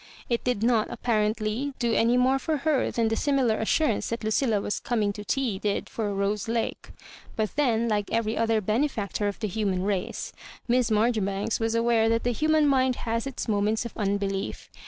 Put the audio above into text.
It did not apparently do any more for her than the "^ similar assurance that Lucilla was coming to tea did for Rose Lake. But then, like every other benefactor of the human race, Miss Marjoribanks was aware that the human mind has its moments of unbelief.